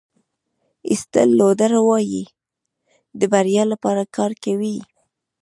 ایسټل لوډر وایي د بریا لپاره کار کوئ.